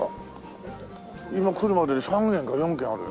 今来るまで３軒か４軒あるな。